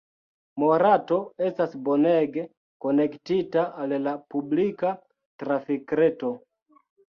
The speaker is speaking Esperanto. Morato estas bonege konektita al la publika trafikreto.